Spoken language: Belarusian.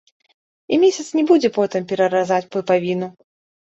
І месяц не будзе потым пераразаць пупавіну.